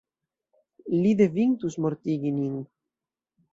Li devintus mortigi nin.